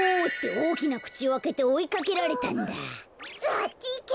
あっちいけ！